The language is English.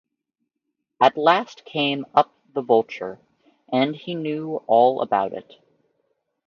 At last came up the vulture, and he knew all about it.